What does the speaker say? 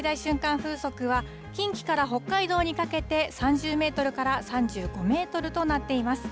風速は、近畿から北海道にかけて３０メートルから３５メートルとなっています。